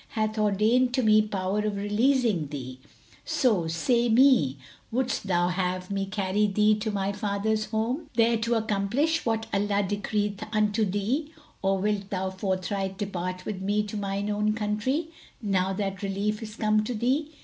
hath ordained to me power of releasing thee; so, say me, wouldst thou have me carry thee to thy father's home, there to accomplish what Allah decreeth unto thee, or wilt thou forthright depart with me to mine own country, now that relief is come to thee?"